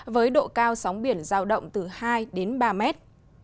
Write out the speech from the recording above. với độ cao sóng biển giao động từ hai đến ba mét